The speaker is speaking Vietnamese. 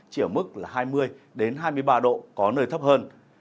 chỉ ở mức là hai mươi hai mươi ba độ có nơi thấp hơn